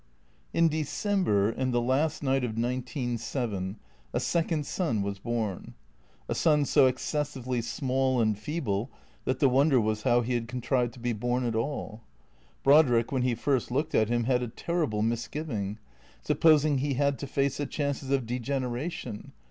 In December, in the last night of nineteen seven, a second son was born. A son so excessively small and feeble that the wonder was how he had contrived to be born at all. Brodrick when he first looked at him had a terrible misgiving. Supposing he had to face the chances of degeneration?